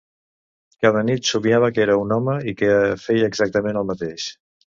Cada nit somiava que era un home i que feia exactament el mateix.